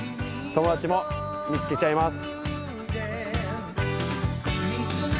友達も見つけちゃいます。